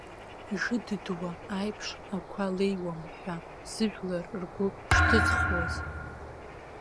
Ишыдыдуа аиԥш ақәа леиуам ҳәа, зыжәлар ргәы шьҭызхуаз.